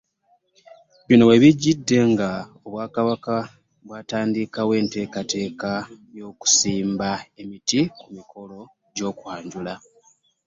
Bino we bijjidde, nga Obwakabaka bwatandikawo enteekateeka y'okusimba emiti ku mikolo gy'okwanjula.